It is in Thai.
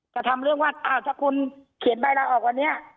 ทำเรื่องว่าอ้าวถ้าคุณเขียนใบลาออกวันนี้